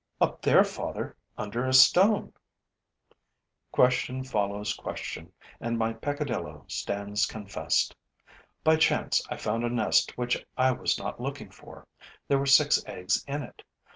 'Up there, father, under a stone.' Question follows question; and my peccadillo stands confessed. By chance I found a nest which I was not looking for. There were six eggs in it.